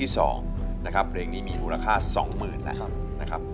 สวัสดีนะครับ